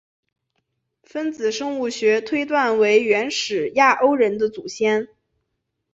分子生物学推断为原始亚欧人的祖先。